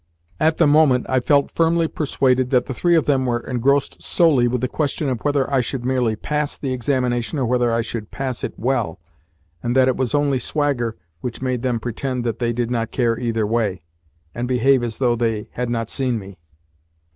At the moment, I felt firmly persuaded that the three of them were engrossed solely with the question of whether I should merely PASS the examination or whether I should pass it WELL, and that it was only swagger which made them pretend that they did not care either way, and behave as though they had not seen me.